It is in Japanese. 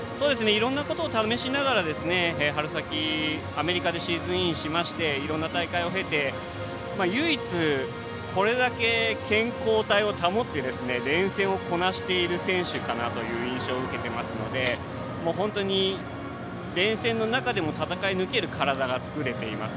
いろんなことを試しながら春先、アメリカでシーズンインしましていろんな大会を経て唯一、これだけ健康体を保って、連戦をこなしている選手かなという印象を受けていますので本当に連戦の中でも戦い抜ける体を作れています。